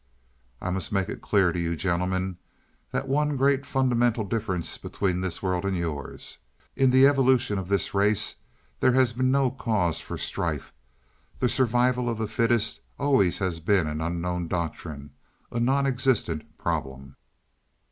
"I must make it clear to you gentlemen, the one great fundamental difference between this world and yours. In the evolution of this race there has been no cause for strife the survival of the fittest always has been an unknown doctrine a non existent problem.